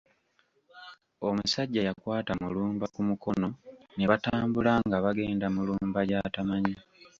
Omusajja yakwata Mulumba ku mukono ne batambula nga bagenda Mulumba gy’atamanyi.